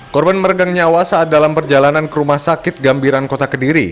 korban meregang nyawa saat dalam perjalanan ke rumah sakit gambiran kota kediri